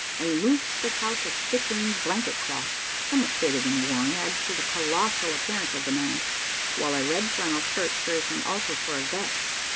A loose surtout of thick green blanket cloth, somewhat faded and worn, adds to the colossal appearance of the man: while a red flannel shirt serves him also for a vest.